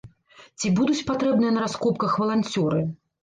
Ці будуць патрэбныя на раскопках валанцёры?